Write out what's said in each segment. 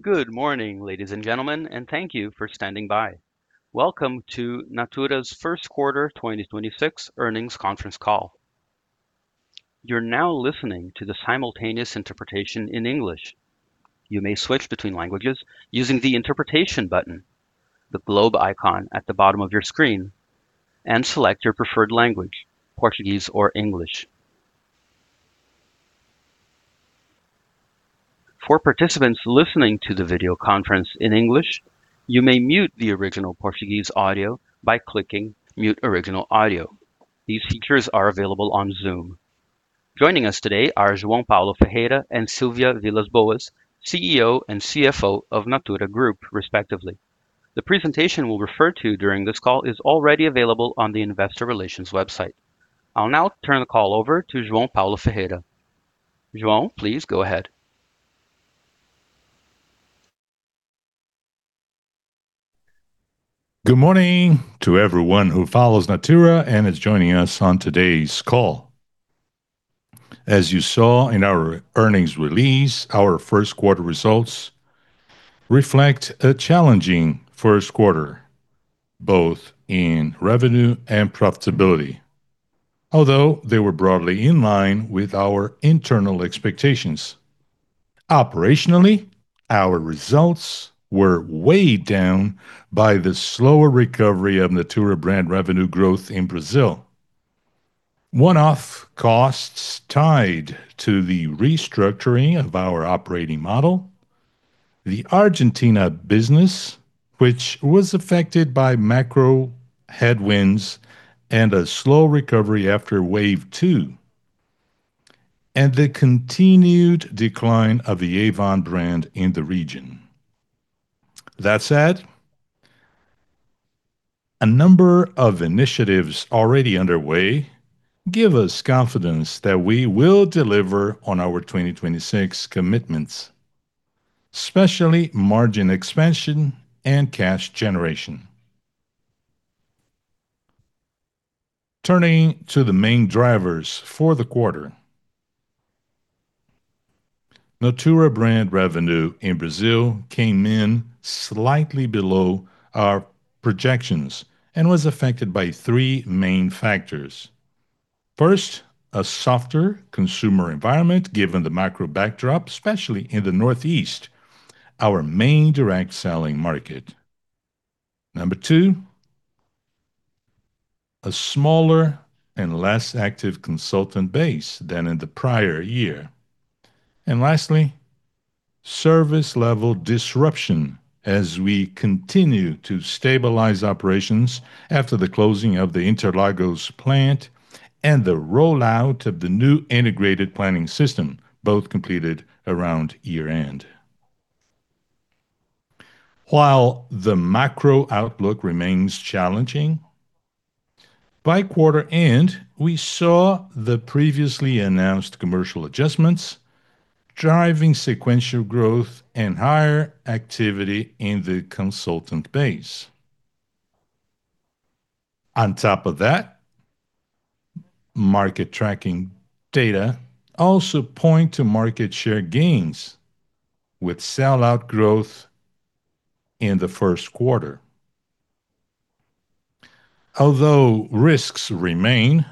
Good morning, ladies and gentlemen, and thank you for standing by. Welcome to Natura's first quarter 2026 earnings conference call. You're now listening to the simultaneous interpretation in English. You may switch between languages using the interpretation button, the globe icon at the bottom of your screen, and select your preferred language, Portuguese or English. For participants listening to the video conference in English, you may mute the original Portuguese audio by clicking Mute Original Audio. These features are available on Zoom. Joining us today are João Paulo Ferreira and Silvia Vilas Boas, CEO and CFO of Natura Group, respectively. The presentation we'll refer to during this call is already available on the investor relations website. I'll now turn the call over to João Paulo Ferreira. João, please go ahead. Good morning to everyone who follows Natura and is joining us on today's call. As you saw in our earnings release, our first quarter results reflect a challenging first quarter, both in revenue and profitability, although they were broadly in line with our internal expectations. Operationally, our results were weighed down by the slower recovery of Natura-brand revenue growth in Brazil. One-off costs tied to the restructuring of our operating model, the Argentina business, which was affected by macro headwinds and a slow recovery after wave two, and the continued decline of the Avon brand in the region. That said, a number of initiatives already underway give us confidence that we will deliver on our 2026 commitments, especially margin expansion and cash generation. Turning to the main drivers for the quarter. Natura-brand revenue in Brazil came in slightly below our projections and was affected by three main factors. First, a softer consumer environment given the macro backdrop, especially in the Northeast, our main direct selling market. Number two, a smaller and less active consultant base than in the prior year. Lastly, service level disruption as we continue to stabilize operations after the closing of the Interlagos Plant and the rollout of the new integrated planning system, both completed around year-end. While the macro outlook remains challenging, by quarter end, we saw the previously announced commercial adjustments driving sequential growth and higher activity in the consultant base. On top of that, market tracking data also point to market share gains with sell-out growth in the first quarter. Although risks remain,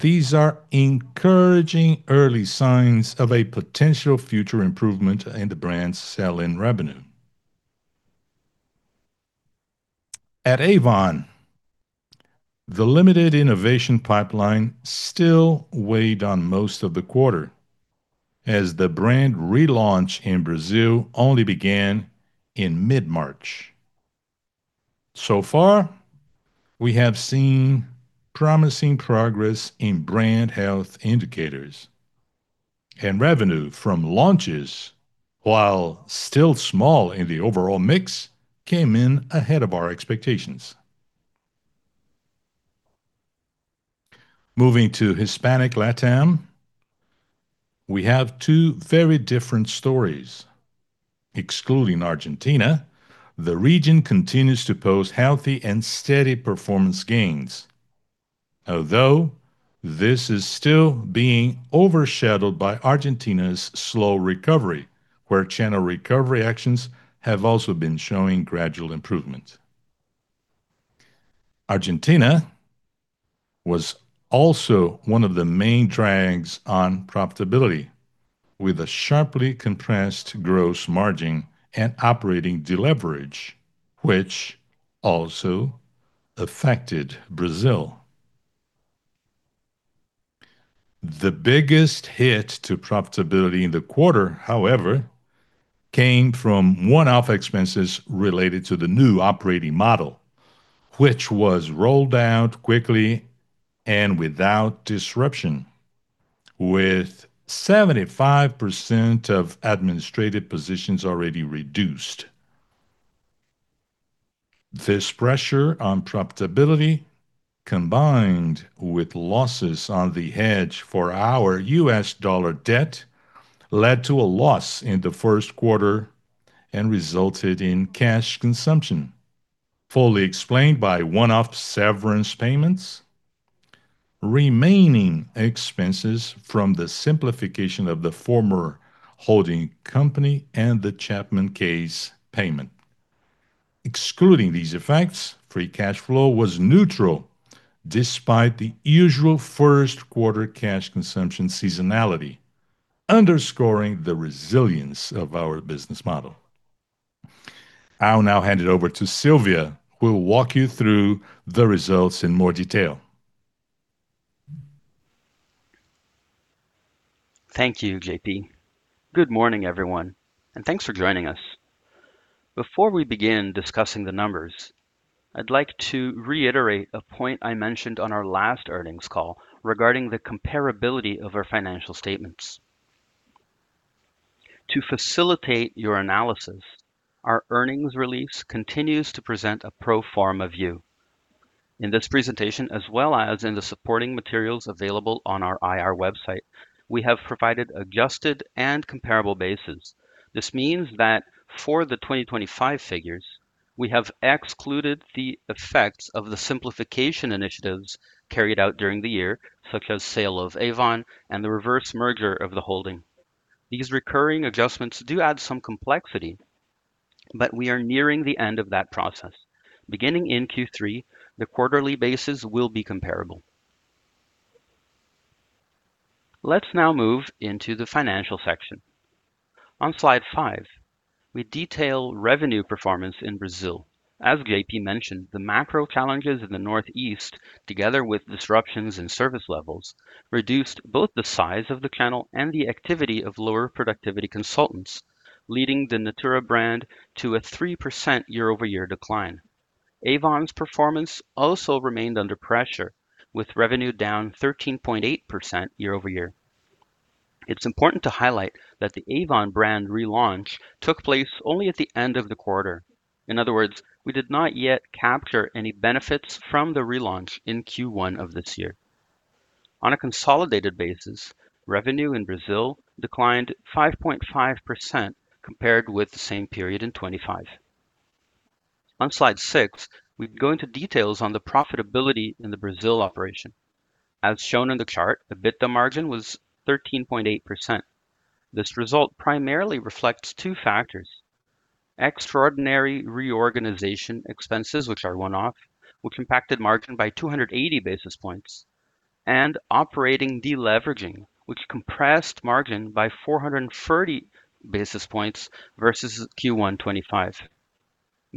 these are encouraging early signs of a potential future improvement in the brand's sell-in revenue. At Avon, the limited innovation pipeline still weighed on most of the quarter as the brand relaunch in Brazil only began in mid-March. Far, we have seen promising progress in brand health indicators and revenue from launches, while still small in the overall mix, came in ahead of our expectations. Moving to Hispanic LATAM, we have two very different stories. Excluding Argentina, the region continues to post healthy and steady performance gains. Although this is still being overshadowed by Argentina's slow recovery, where channel recovery actions have also been showing gradual improvement. Argentina was also one of the main drags on profitability, with a sharply compressed gross margin and operating deleverage, which also affected Brazil. The biggest hit to profitability in the quarter, however, came from one-off expenses related to the new operating model, which was rolled out quickly and without disruption, with 75% of administrative positions already reduced. This pressure on profitability, combined with losses on the hedge for our US dollar debt, led to a loss in the first quarter and resulted in cash consumption, fully explained by one-off severance payments, remaining expenses from the simplification of the former holding company, and the Chapman case payment. Excluding these effects, free cash flow was neutral despite the usual first quarter cash consumption seasonality, underscoring the resilience of our business model. I'll now hand it over to Silvia, who will walk you through the results in more detail. Thank you, J.P. Good morning, everyone, and thanks for joining us. Before we begin discussing the numbers, I'd like to reiterate a point I mentioned on our last earnings call regarding the comparability of our financial statements. To facilitate your analysis, our earnings release continues to present a pro forma view. In this presentation, as well as in the supporting materials available on our IR website, we have provided adjusted and comparable basis. This means that for the 2025 figures, we have excluded the effects of the simplification initiatives carried out during the year, such as sale of Avon and the reverse merger of the holding. These recurring adjustments do add some complexity, but we are nearing the end of that process. Beginning in Q3, the quarterly basis will be comparable. Let's now move into the financial section. On slide five, we detail revenue performance in Brazil. As JP mentioned, the macro challenges in the Northeast, together with disruptions in service levels, reduced both the size of the channel and the activity of lower productivity consultants, leading the Natura brand to a 3% year-over-year decline. Avon's performance also remained under pressure, with revenue down 13.8% year-over-year. It is important to highlight that the Avon brand relaunch took place only at the end of the quarter. In other words, we did not yet capture any benefits from the relaunch in Q1 of this year. On a consolidated basis, revenue in Brazil declined 5.5% compared with the same period in 2025. On slide 6, we go into details on the profitability in the Brazil operation. As shown in the chart, the EBITDA margin was 13.8%. This result primarily reflects two factors: extraordinary reorganization expenses, which are one-off, which impacted margin by 280 basis points, and operating deleveraging, which compressed margin by 430 basis points versus Q1 2025.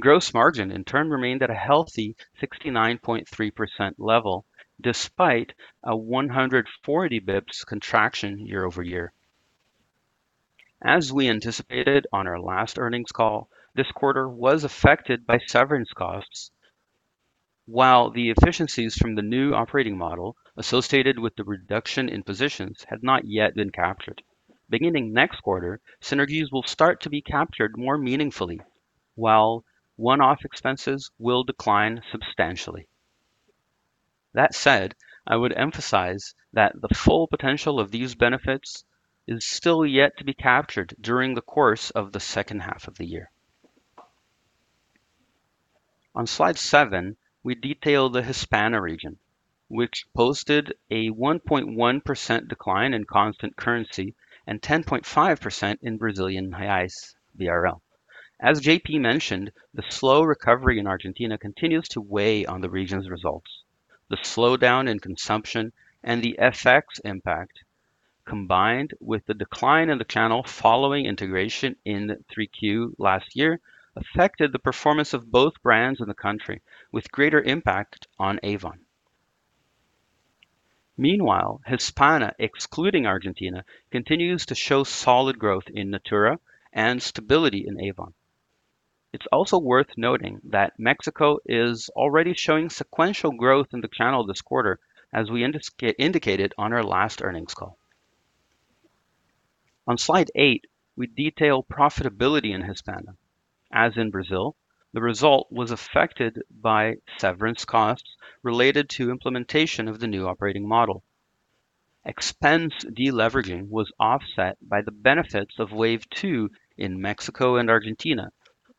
Gross margin, in turn, remained at a healthy 69.3% level, despite a 140 BPS contraction year-over-year. As we anticipated on our last earnings call, this quarter was affected by severance costs, while the efficiencies from the new operating model associated with the reduction in positions had not yet been captured. Beginning next quarter, synergies will start to be captured more meaningfully, while one-off expenses will decline substantially. That said, I would emphasize that the full potential of these benefits is still yet to be captured during the course of the second half of the year. On slide seven, we detail the Hispana region, which posted a 1.1% decline in constant currency and 10.5% in Brazilian reais, BRL. As J.P. mentioned, the slow recovery in Argentina continues to weigh on the region's results. The slowdown in consumption and the FX impact, combined with the decline in the channel following integration in 3Q last year, affected the performance of both brands in the country, with greater impact on Avon. Meanwhile, Hispana, excluding Argentina, continues to show solid growth in Natura and stability in Avon. It is also worth noting that Mexico is already showing sequential growth in the channel this quarter, as we indicated on our last earnings call. On slide eight, we detail profitability in Hispana. As in Brazil, the result was affected by severance costs related to implementation of the new operating model. Expense deleveraging was offset by the benefits of wave two in Mexico and Argentina,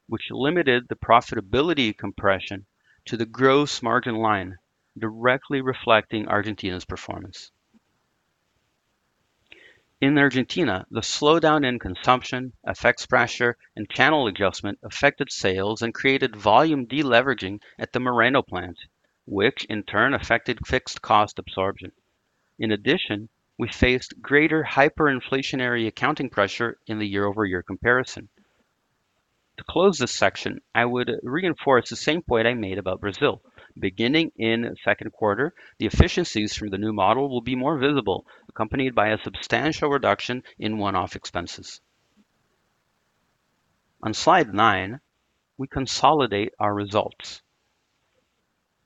which limited the profitability compression to the gross margin line, directly reflecting Argentina's performance. In Argentina, the slowdown in consumption, FX pressure, and channel adjustment affected sales and created volume deleveraging at the Moreno plant, which in turn affected fixed cost absorption. In addition, we faced greater hyperinflationary accounting pressure in the year-over-year comparison. To close this section, I would reinforce the same point I made about Brazil. Beginning in second quarter, the efficiencies through the new model will be more visible, accompanied by a substantial reduction in one-off expenses. On slide nine, we consolidate our results.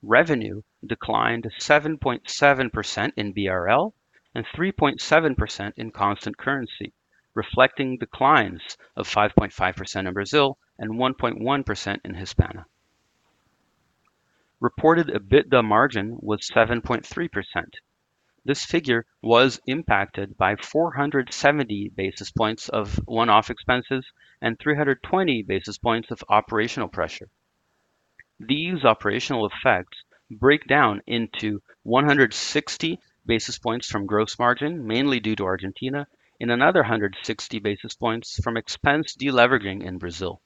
Revenue declined 7.7% in BRL and 3.7% in constant currency, reflecting declines of 5.5% in Brazil and 1.1% in Hispana. Reported EBITDA margin was 7.3%. This figure was impacted by 470 basis points of one-off expenses and 320 basis points of operational pressure. These operational effects break down into 160 basis points from gross margin, mainly due to Argentina, and another 160 basis points from expense deleveraging in Brazil.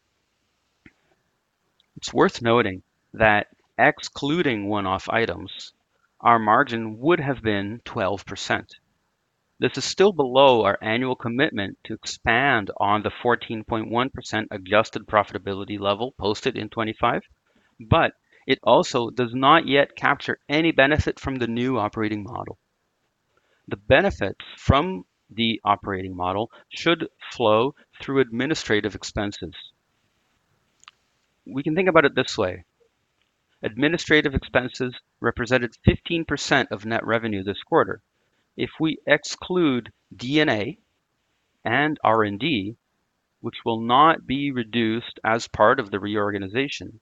It's worth noting that excluding one-off items, our margin would have been 12%. This is still below our annual commitment to expand on the 14.1% adjusted profitability level posted in 2025, it also does not yet capture any benefit from the new operating model. The benefits from the operating model should flow through administrative expenses. We can think about it this way. Administrative expenses represented 15% of net revenue this quarter. If we exclude D&A and R&D, which will not be reduced as part of the reorganization,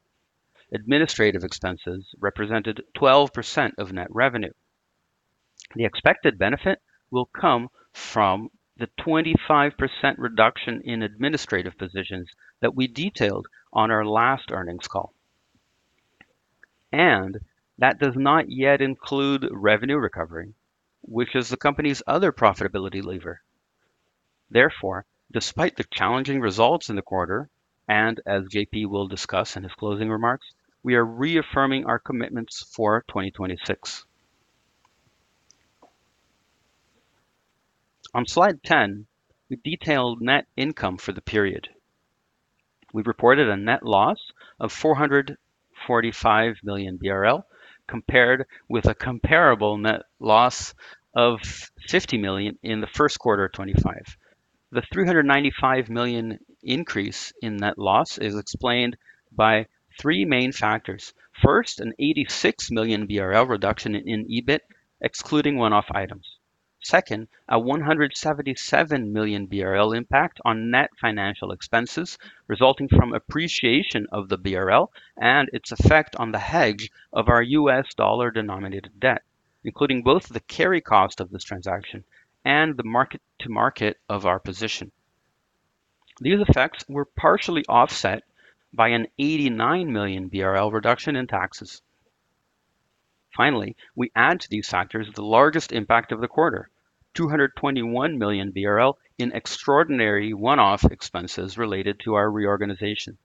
administrative expenses represented 12% of net revenue. The expected benefit will come from the 25% reduction in administrative positions that we detailed on our last earnings call. That does not yet include revenue recovery, which is the company's other profitability lever. Therefore, despite the challenging results in the quarter, and as J.P. will discuss in his closing remarks, we are reaffirming our commitments for 2026. On slide 10, we detailed net income for the period. We reported a net loss of 445 million BRL compared with a comparable net loss of 50 million in the first quarter of 2025. The 395 million increase in net loss is explained by three main factors. First, a 86 million BRL reduction in EBIT excluding one-off items. Second, a 177 million BRL impact on net financial expenses resulting from appreciation of the BRL and its effect on the hedge of our US dollar-denominated debt, including both the carry cost of this transaction and the mark-to-market of our position. These effects were partially offset by a 89 million BRL reduction in taxes. Finally, we add to these factors the largest impact of the quarter, 221 million BRL in extraordinary one-off expenses related to our reorganization.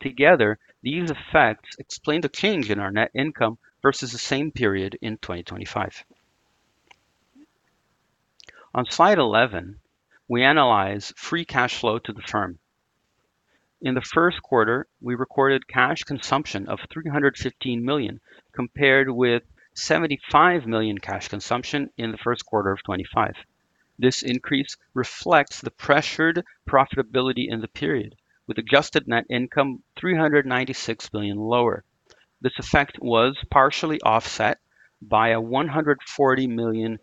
Together, these effects explain the change in our net income versus the same period in 2025. On slide 11, we analyze free cash flow to the firm. In the first quarter, we recorded cash consumption of 315 million compared with 75 million cash consumption in the first quarter of 2025. This increase reflects the pressured profitability in the period, with adjusted net income 396 million lower. This effect was partially offset by a 140 million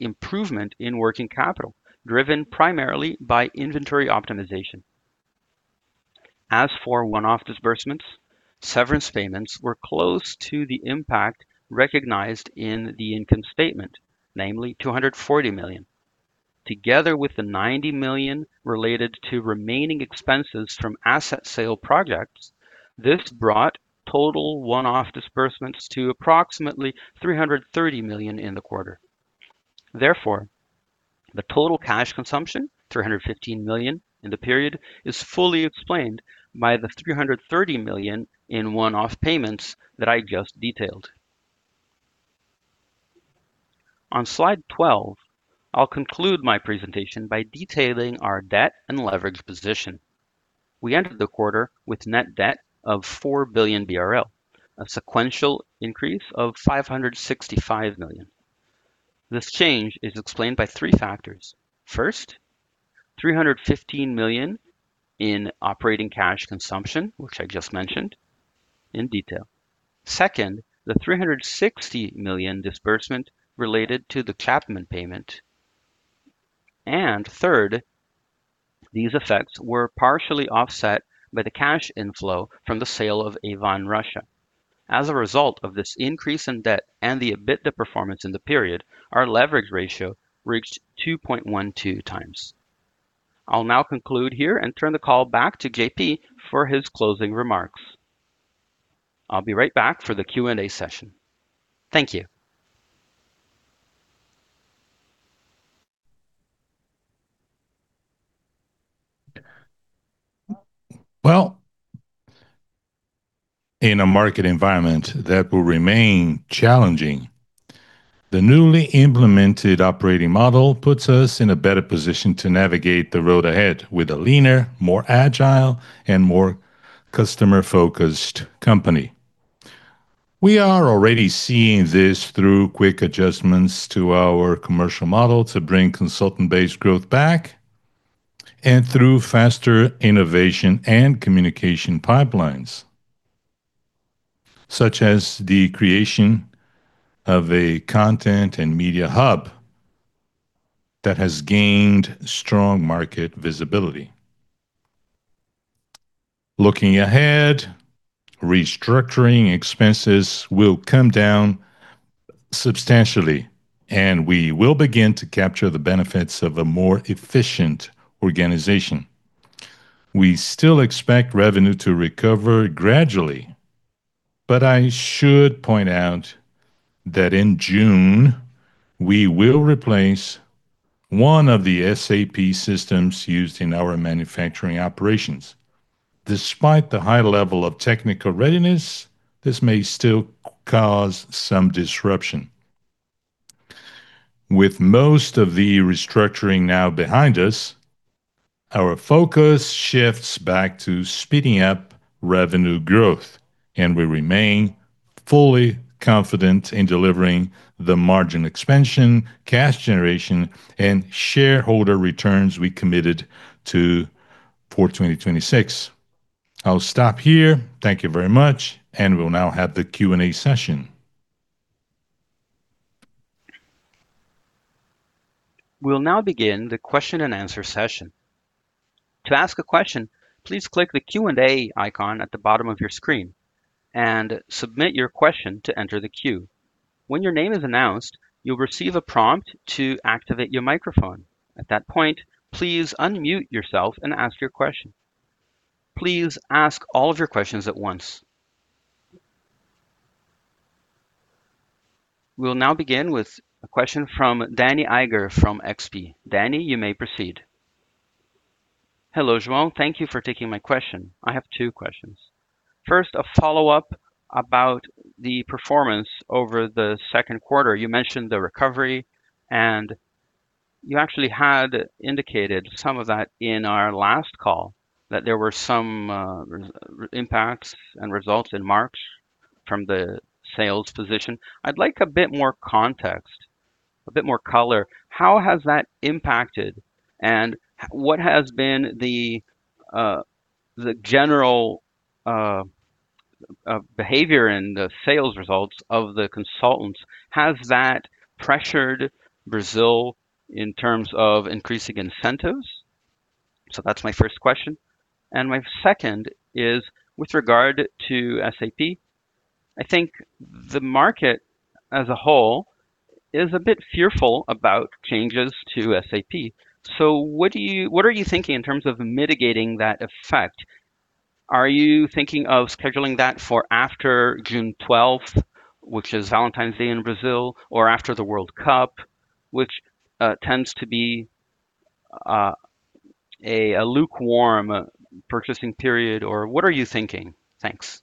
improvement in working capital, driven primarily by inventory optimization. As for one-off disbursements, severance payments were close to the impact recognized in the income statement, namely 240 million. Together with the 90 million related to remaining expenses from asset sale projects, this brought total one-off disbursements to approximately 330 million in the quarter. The total cash consumption, 315 million in the period, is fully explained by the 330 million in one-off payments that I just detailed. On slide 12, I'll conclude my presentation by detailing our debt and leverage position. We entered the quarter with net debt of 4 billion BRL, a sequential increase of 565 million. This change is explained by three factors. First, 315 million in operating cash consumption, which I just mentioned in detail. Second, the 360 million disbursement related to the Chapman payment. Third, these effects were partially offset by the cash inflow from the sale of Avon Russia. As a result of this increase in debt and the EBITDA performance in the period, our leverage ratio reached 2.12x. I'll now conclude here and turn the call back to J.P. for his closing remarks. I'll be right back for the Q&A session. Thank you. Well, in a market environment that will remain challenging, the newly implemented operating model puts us in a better position to navigate the road ahead with a leaner, more agile, and more customer-focused company. We are already seeing this through quick adjustments to our commercial model to bring consultant-based growth back and through faster innovation and communication pipelines, such as the creation of a content and media hub that has gained strong market visibility. Looking ahead, restructuring expenses will come down substantially, and we will begin to capture the benefits of a more efficient organization. We still expect revenue to recover gradually, but I should point out that in June we will replace one of the SAP systems used in our manufacturing operations. Despite the high level of technical readiness, this may still cause some disruption. With most of the restructuring now behind us, our focus shifts back to speeding up revenue growth, and we remain fully confident in delivering the margin expansion, cash generation, and shareholder returns we committed to for 2026. I'll stop here. Thank you very much, and we'll now have the Q&A session. We'll now begin the question and answer session. To ask a question, please click the Q&A icon at the bottom of your screen and submit your question to enter the queue. When your name is announced, you'll receive a prompt to activate your microphone. At that point, please unmute yourself and ask your question. Please ask all of your questions at once. We'll now begin with a question from Danni Eiger from XP. Danni, you may proceed. Hello, João. Thank you for taking my question. I have two questions. First, a follow-up about the performance over the second quarter. You mentioned the recovery, and you actually had indicated some of that in our last call, that there were some impacts and results in March from the sales position. I'd like a bit more context, a bit more color. How has that impacted, what has been the general behavior and the sales results of the consultants? Has that pressured Brazil in terms of increasing incentives? That's my first question. My second is with regard to SAP. I think the market as a whole is a bit fearful about changes to SAP. What are you thinking in terms of mitigating that effect? Are you thinking of scheduling that for after June twelfth, which is Valentine's Day in Brazil, or after the World Cup, which tends to be a lukewarm purchasing period, or what are you thinking? Thanks.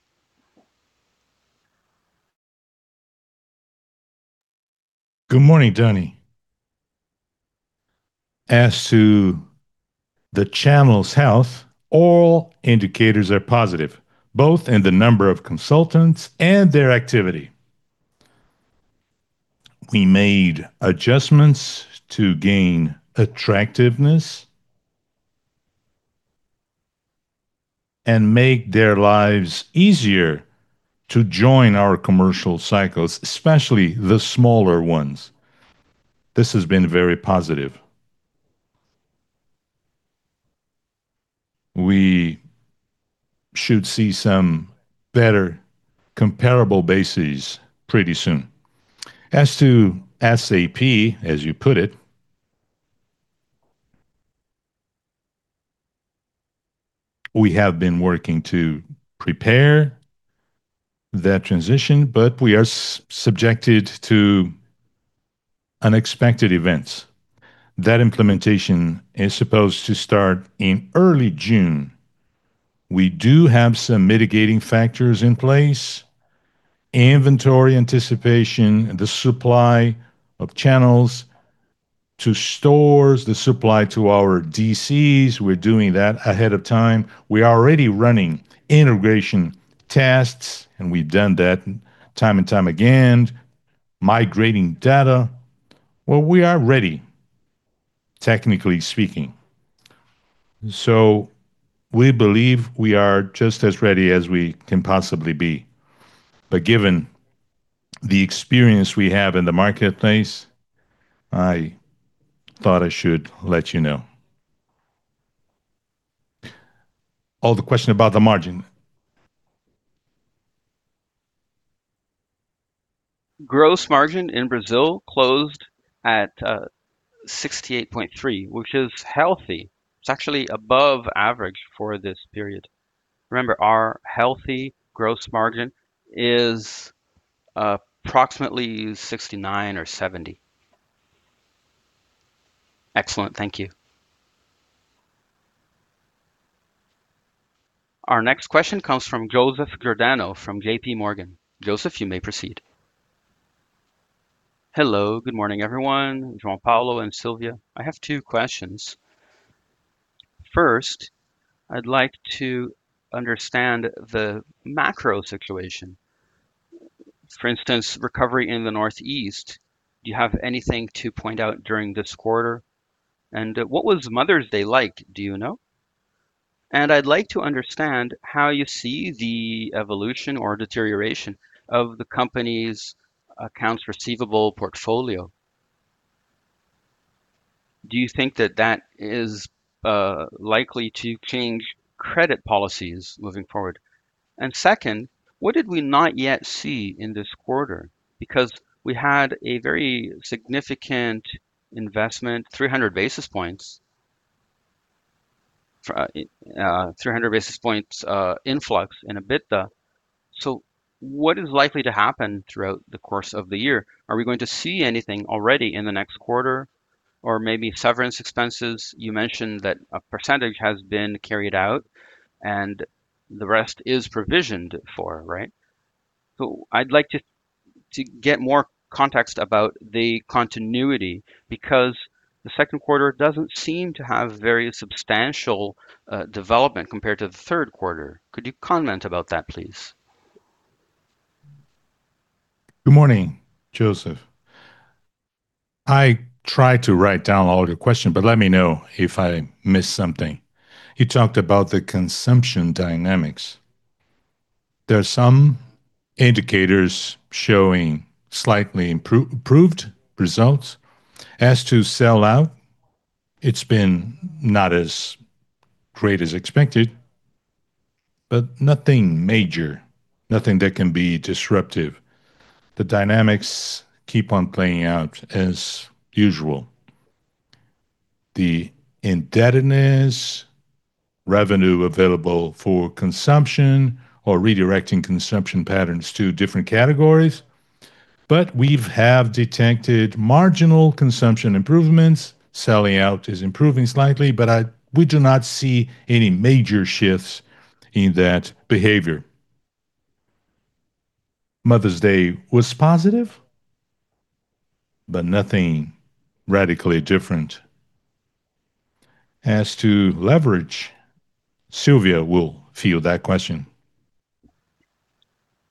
Good morning, Danni. As to the channel's health, all indicators are positive, both in the number of consultants and their activity. We made adjustments to gain attractiveness and make their lives easier to join our commercial cycles, especially the smaller ones. This has been very positive. We should see some better comparable bases pretty soon. As to SAP, as you put it, we have been working to prepare that transition, but we are subjected to unexpected events. That implementation is supposed to start in early June. We do have some mitigating factors in place. Inventory anticipation, the supply of channels to stores, the supply to our DCs, we're doing that ahead of time. We are already running integration tests, and we've done that time and time again, migrating data. Well, we are ready, technically speaking. We believe we are just as ready as we can possibly be. Given the experience we have in the marketplace, I thought I should let you know. The question about the margin. Gross margin in Brazil closed at 68.3, which is healthy. It's actually above average for this period. Remember, our healthy gross margin is approximately 69 or 70. Excellent. Thank you. Our next question comes from Joseph Giordano from JPMorgan. Joseph, you may proceed. Hello. Good morning, everyone, João Paulo and Silvia. I have two questions. First, I'd like to understand the macro situation. For instance, recovery in the Northeast. Do you have anything to point out during this quarter? What was Mother's Day like? Do you know? I'd like to understand how you see the evolution or deterioration of the company's accounts receivable portfolio. Do you think that that is likely to change credit policies moving forward? Second, what did we not yet see in this quarter? Because we had a very significant investment, 300 basis points influx in EBITDA. What is likely to happen throughout the course of the year? Are we going to see anything already in the next quarter? Or maybe severance expenses. You mentioned that a percentage has been carried out and the rest is provisioned for, right? I'd like to get more context about the continuity because the second quarter doesn't seem to have very substantial development compared to the third quarter. Could you comment about that, please? Good morning, Joseph. I tried to write down all your questions, let me know if I missed something. You talked about the consumption dynamics. There are some indicators showing slightly improved results. As to sell out, it's been not as great as expected, nothing major, nothing that can be disruptive. The dynamics keep on playing out as usual. The indebtedness, revenue available for consumption or redirecting consumption patterns to different categories. We've detected marginal consumption improvements. Selling out is improving slightly, we do not see any major shifts in that behavior. Mother's Day was positive, nothing radically different. As to leverage, Silvia will field that question.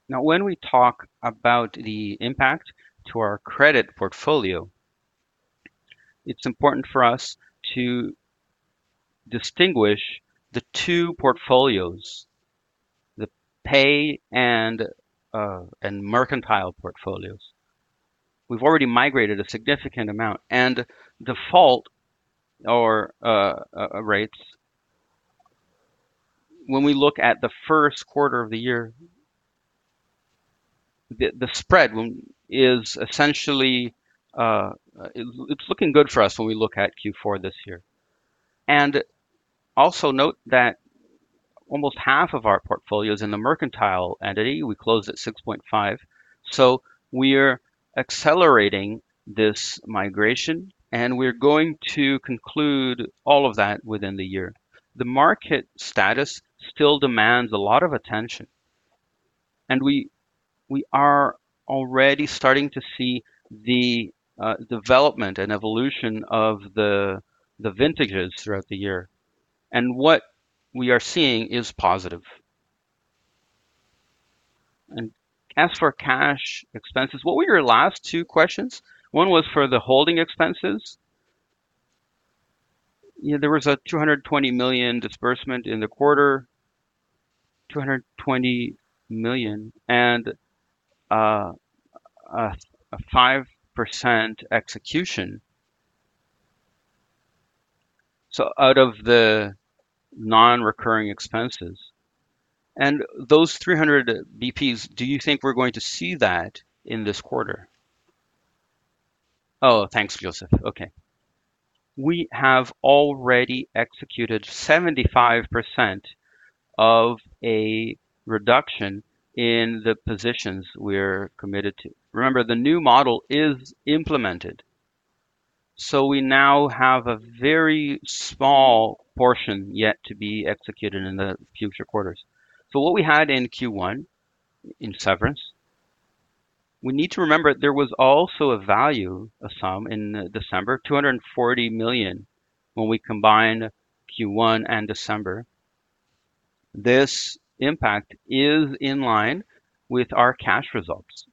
When we talk about the impact to our credit portfolio, it's important for us to distinguish the two portfolios, the pay and mercantile portfolios. We've already migrated a significant amount and default or rates when we look at the first quarter of the year, the spread is essentially, it's looking good for us when we look at Q4 this year. Also note that almost half of our portfolio is in the mercantile entity. We closed at 6.5. We're accelerating this migration, and we're going to conclude all of that within the year. The market status still demands a lot of attention, and we are already starting to see the development and evolution of the vintages throughout the year. What we are seeing is positive. As for cash expenses, what were your last two questions? One was for the holding expenses. Yeah, there was a 220 million disbursement in the quarter. 220 million and a 5% execution. Out of the non-recurring expenses and those 300 basis points, do you think we're going to see that in this quarter? Oh, thanks, Joseph. Okay. We have already executed 75% of a reduction in the positions we're committed to. Remember, the new model is implemented, so we now have a very small portion yet to be executed in the future quarters. What we had in Q1 in severance, we need to remember there was also a value, a sum in December, 240 million when we combine Q1 and December. This impact is in line with our cash results.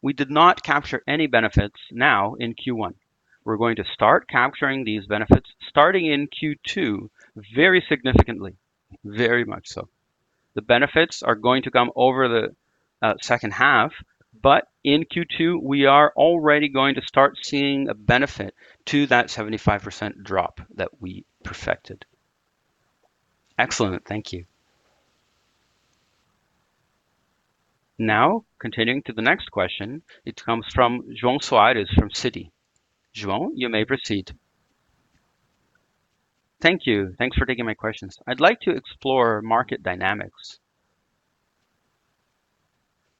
We did not capture any benefits now in Q1. We're going to start capturing these benefits starting in Q2 very significantly. Very much so. The benefits are going to come over the second half, but in Q2, we are already going to start seeing a benefit to that 75% drop that we perfected. Excellent. Thank you. Now continuing to the next question. It comes from João Soares from Citi. João, you may proceed. Thank you. Thanks for taking my questions. I'd like to explore market dynamics.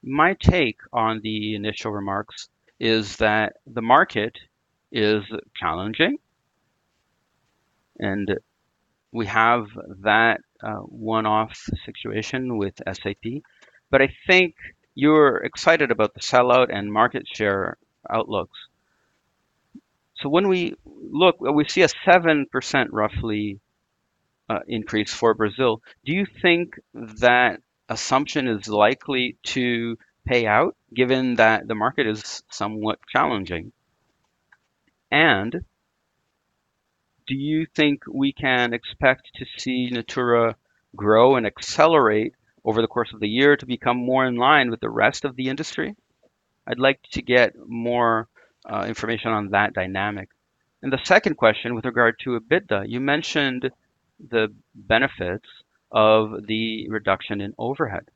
My take on the initial remarks is that the market is challenging, and we have that one-off situation with SAP. I think you're excited about the sellout and market share outlooks. When we look, we see a 7% roughly increase for Brazil Do you think that assumption is likely to pay out given that the market is somewhat challenging? Do you think we can expect to see Natura grow and accelerate over the course of the year to become more in line with the rest of the industry? I'd like to get more information on that dynamic. The second question with regard to EBITDA, you mentioned the benefits of the reduction in overhead.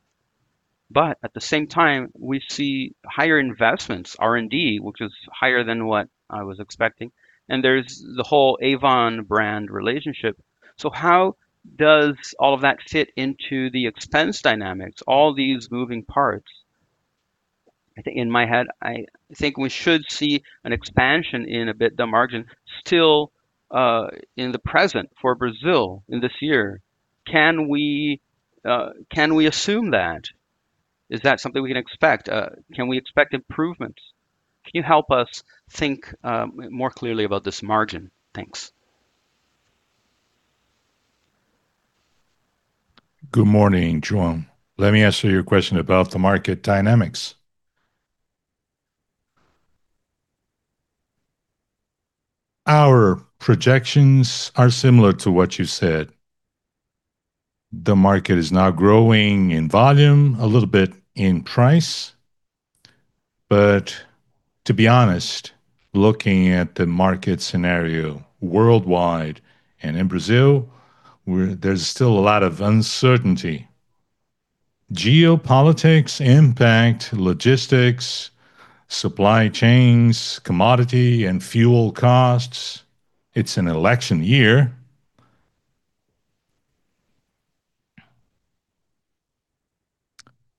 At the same time, we see higher investments, R&D, which is higher than what I was expecting, and there's the whole Avon brand relationship. How does all of that fit into the expense dynamics, all these moving parts? I think in my head, I think we should see an expansion in EBITDA margin still in the present for Brazil in this year. Can we assume that? Is that something we can expect? Can we expect improvements? Can you help us think more clearly about this margin? Thanks. Good morning, João. Let me answer your question about the market dynamics. Our projections are similar to what you said. The market is now growing in volume, a little bit in price. To be honest, looking at the market scenario worldwide and in Brazil, there's still a lot of uncertainty. Geopolitics impact logistics, supply chains, commodity and fuel costs. It's an election year.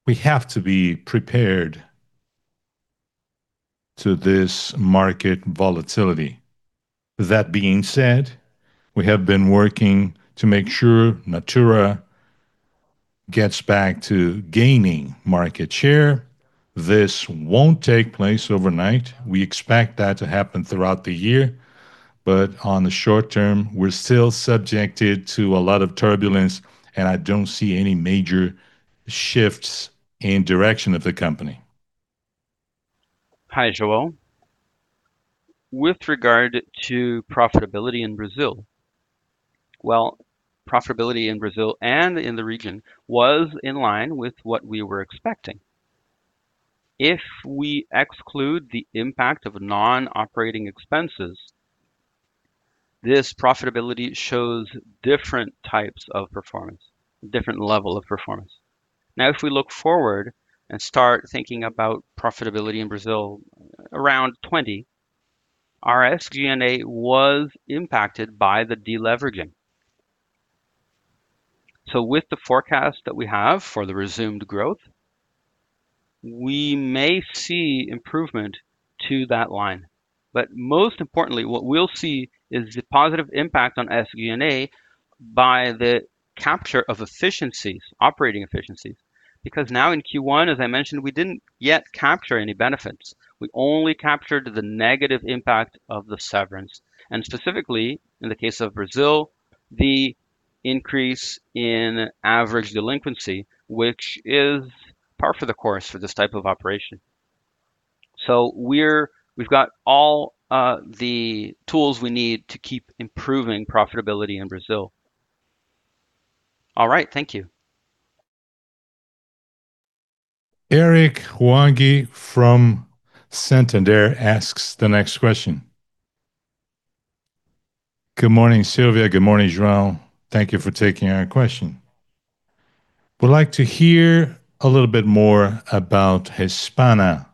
We have to be prepared to this market volatility. That being said, we have been working to make sure Natura gets back to gaining market share. This won't take place overnight. We expect that to happen throughout the year. On the short term, we're still subjected to a lot of turbulence, and I don't see any major shifts in direction of the company. Hi, João. With regard to profitability in Brazil, well, profitability in Brazil and in the region was in line with what we were expecting. If we exclude the impact of non-operating expenses, this profitability shows different types of performance, different level of performance. If we look forward and start thinking about profitability in Brazil around 2020, our SG&A was impacted by the deleveraging. With the forecast that we have for the resumed growth, we may see improvement to that line. Most importantly, what we will see is the positive impact on SG&A by the capture of efficiencies, operating efficiencies. Now in Q1, as I mentioned, we did not yet capture any benefits. We only captured the negative impact of the severance, and specifically in the case of Brazil, the increase in average delinquency, which is par for the course for this type of operation. We've got all the tools we need to keep improving profitability in Brazil. All right. Thank you. Eric Huang from Santander asks the next question. Good morning, Silvia. Good morning, João. Thank you for taking our question. Would like to hear a little bit more about Hispana.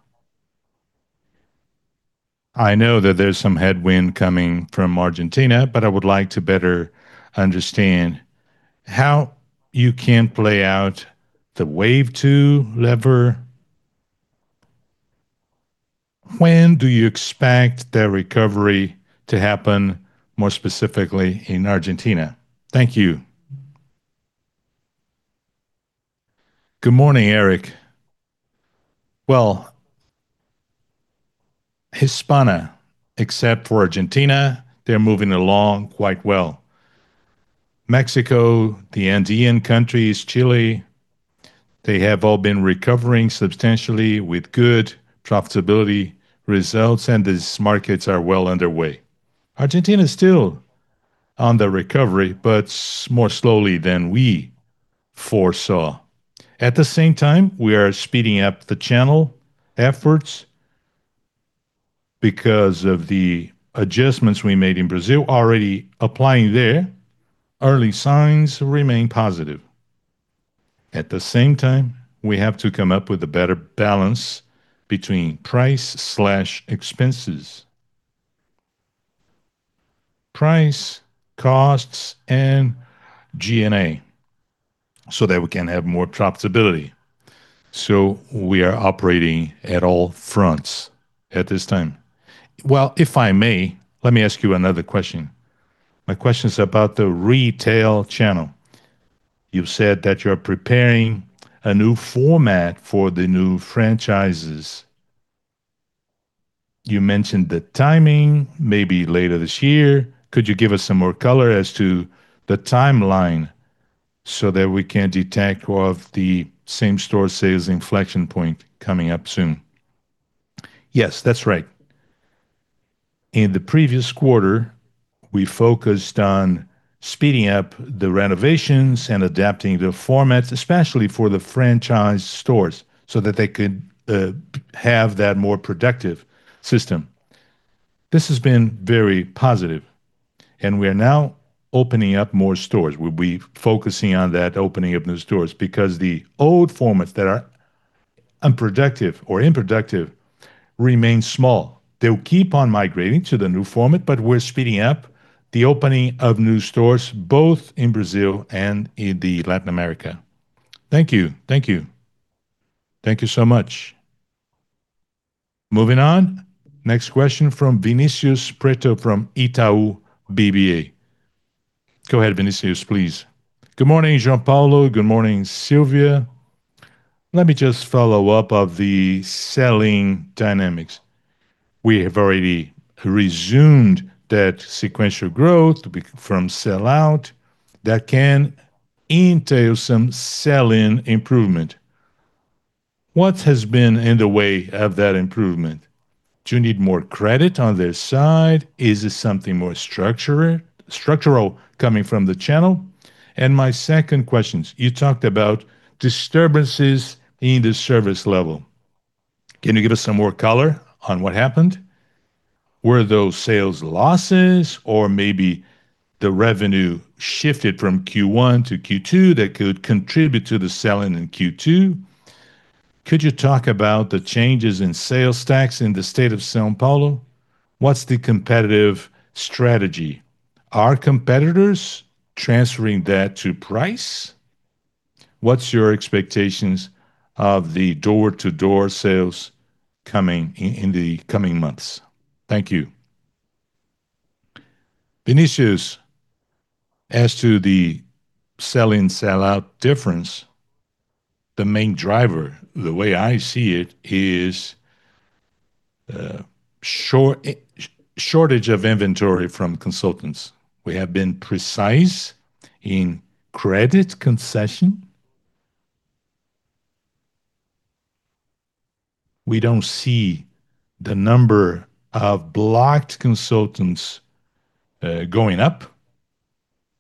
I know that there's some headwind coming from Argentina, I would like to better understand how you can play out the wave two lever. When do you expect the recovery to happen, more specifically in Argentina? Thank you. Good morning, Eric. Well, Hispana, except for Argentina, they're moving along quite well. Mexico, the Andean countries, Chile, they have all been recovering substantially with good profitability results, and these markets are well underway. Argentina is still under recovery, More slowly than we foresaw. At the same time, we are speeding up the channel efforts because of the adjustments we made in Brazil already applying there. Early signs remain positive. At the same time, we have to come up with a better balance between price/expenses, price, costs, and G&A so that we can have more profitability. We are operating at all fronts at this time. Well, if I may, let me ask you another question. My question is about the retail channel. You said that you're preparing a new format for the new franchises. You mentioned the timing, maybe later this year. Could you give us some more color as to the timeline so that we can detect of the same-store sales inflection point coming up soon? Yes, that's right. In the previous quarter, we focused on speeding up the renovations and adapting the formats, especially for the franchise stores so that they could have that more productive system. This has been very positive and we are now opening up more stores. We'll be focusing on that opening of new stores because the old formats that are unproductive or improductive remain small. They'll keep on migrating to the new format, but we're speeding up the opening of new stores both in Brazil and in Latin America. Thank you. Thank you. Thank you so much. Moving on, next question from Vinicius Pretto from Itaú BBA. Go ahead, Vinicius, please. Good morning, João Paulo. Good morning, Silvia. Let me just follow up of the selling dynamics. We have already resumed that sequential growth to be from sell-out that can entail some sell-in improvement. What has been in the way of that improvement? Do you need more credit on their side? Is it something more structural coming from the channel? My second questions, you talked about disturbances in the service level. Can you give us some more color on what happened? Were those sales losses or maybe the revenue shifted from Q1 to Q2 that could contribute to the sell-in in Q2? Could you talk about the changes in sales tax in the state of São Paulo? What's the competitive strategy? Are competitors transferring that to price? What's your expectations of the door-to-door sales coming in the coming months? Thank you. Vinicius, as to the sell-in, sell-out difference, the main driver, the way I see it, is shortage of inventory from consultants. We have been precise in credit concession. We don't see the number of blocked consultants going up,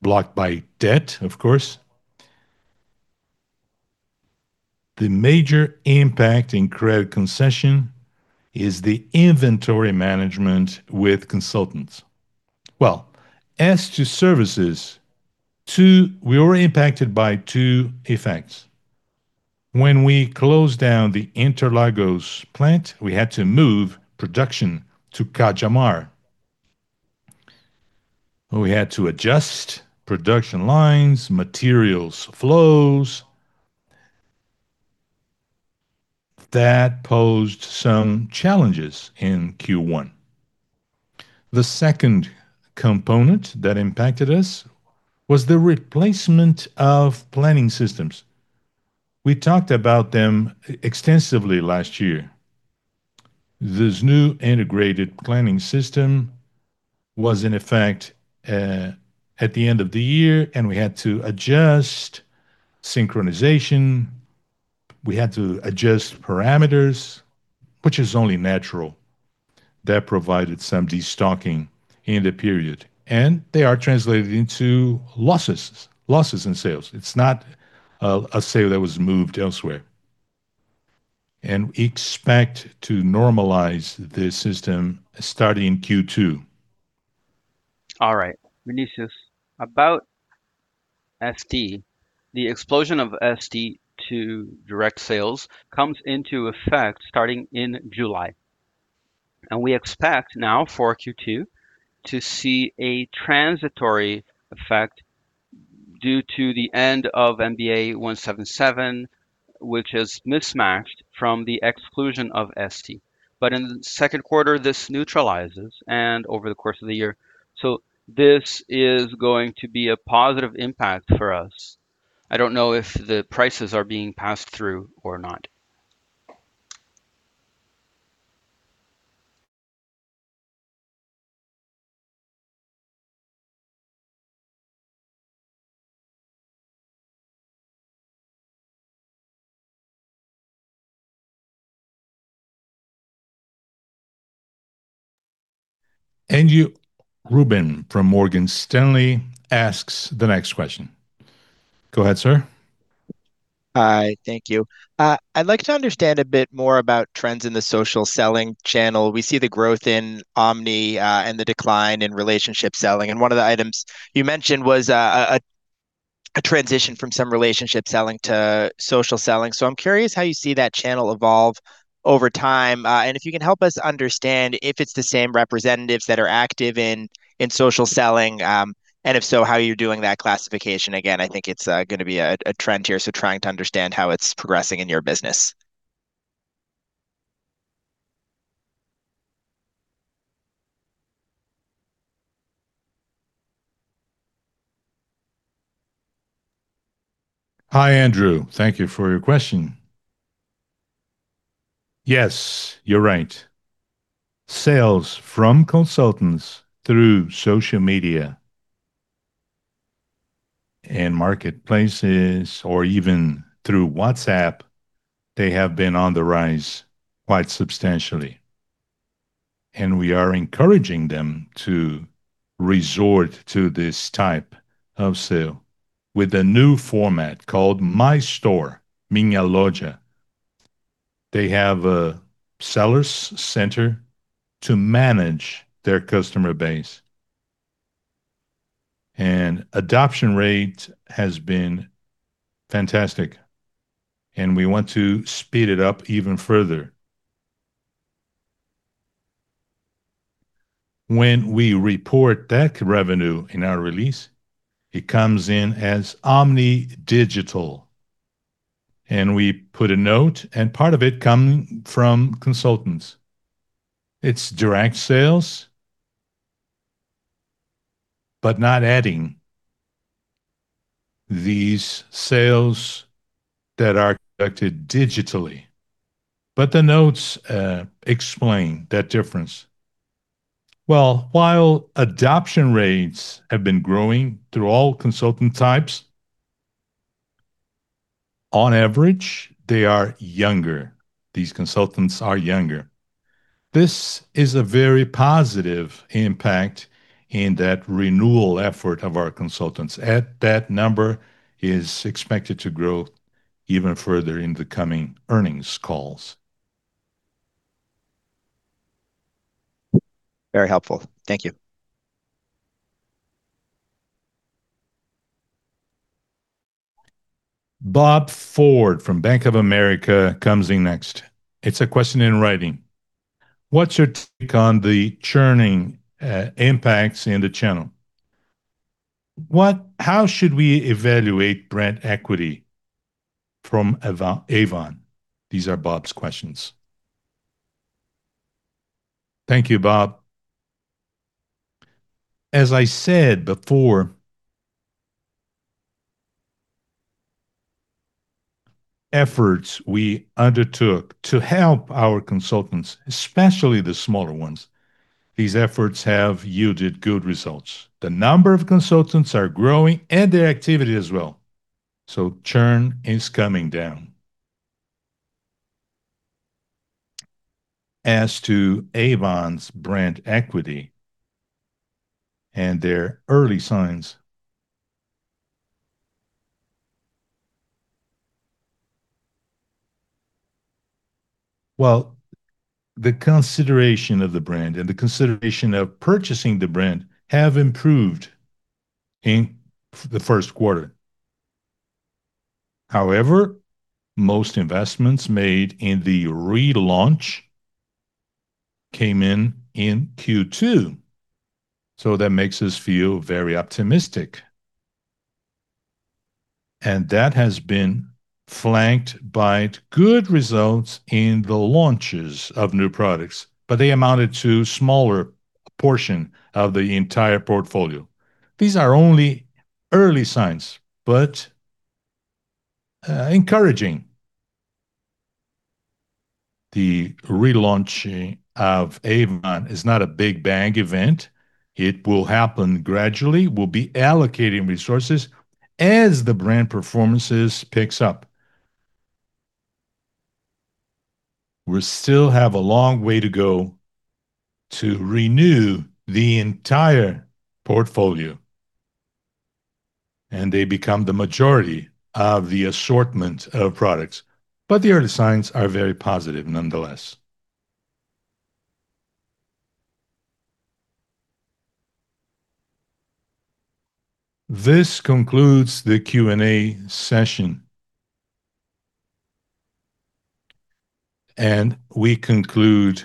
blocked by debt, of course. The major impact in credit concession is the inventory management with consultants. Well, as to services, we were impacted by two effects. When we closed down the Interlagos plant, we had to move production to Cajamar, where we had to adjust production lines, materials flows. That posed some challenges in Q1. The second component that impacted us was the replacement of planning systems. We talked about them extensively last year. This new integrated planning system was in effect at the end of the year and we had to adjust synchronization, we had to adjust parameters, which is only natural. That provided some de-stocking in the period, and they are translated into losses in sales. It's not a sale that was moved elsewhere. We expect to normalize the system starting Q2. All right. Vinicius, about ST, the explosion of ST to direct sales comes into effect starting in July. We expect now for Q2 to see a transitory effect due to the end of MP 1177, which is mismatched from the exclusion of ST. In the second quarter, this neutralizes and over the course of the year. This is going to be a positive impact for us. I don't know if the prices are being passed through or not. Andrew Ruben from Morgan Stanley asks the next question. Go ahead, sir. Hi. Thank you. I'd like to understand a bit more about trends in the social selling channel. We see the growth in omni, and the decline in relationship selling, and one of the items you mentioned was a transition from some relationship selling to social selling. I'm curious how you see that channel evolve over time. If you can help us understand if it's the same representatives that are active in social selling, and if so, how you're doing that classification. I think it's gonna be a trend here, so trying to understand how it's progressing in your business. Hi, Andrew. Thank you for your question. Yes, you're right. Sales from consultants through social media and marketplaces or even through WhatsApp, they have been on the rise quite substantially. We are encouraging them to resort to this type of sale with a new format called My Store, Minha Loja. They have a sellers center to manage their customer base. Adoption rate has been fantastic, and we want to speed it up even further. When we report that revenue in our release, it comes in as omni digital. We put a note, and part of it come from consultants. It's direct sales, but not adding these sales that are conducted digitally. The notes explain that difference. Well, while adoption rates have been growing through all consultant types, on average, they are younger. These consultants are younger. This is a very positive impact in that renewal effort of our consultants. That number is expected to grow even further in the coming earnings calls. Very helpful. Thank you. Robert Ford from Bank of America comes in next. It's a question in writing. What's your take on the churning impacts in the channel? How should we evaluate brand equity from Avon? These are Robert's questions. Thank you, Robert. As I said before, efforts we undertook to help our consultants, especially the smaller ones, these efforts have yielded good results. The number of consultants are growing and their activity as well, so churn is coming down. As to Avon's brand equity and their early signs, well, the consideration of the brand and the consideration of purchasing the brand have improved in the first quarter. Most investments made in the relaunch came in in Q2, so that makes us feel very optimistic. That has been flanked by good results in the launches of new products, but they amounted to smaller portion of the entire portfolio. These are only early signs, but encouraging. The relaunching of Avon is not a big bang event. It will happen gradually. We'll be allocating resources as the brand performances picks up. We still have a long way to go to renew the entire portfolio, and they become the majority of the assortment of products. The early signs are very positive nonetheless. This concludes the Q&A session. We conclude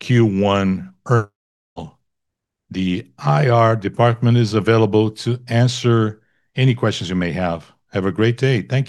Q1 earnings call. The IR department is available to answer any questions you may have. Have a great day. Thank you.